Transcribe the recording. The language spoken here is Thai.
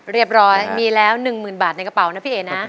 เรียบร้อยมีแล้ว๑๐๐๐บาทในกระเป๋านะพี่เอ๋นะ